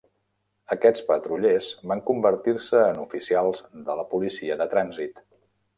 Aquests patrullers van convertir-se en oficials de la policia de trànsit.